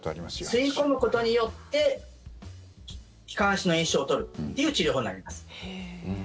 吸い込むことによって気管支の炎症を取るという治療法になります。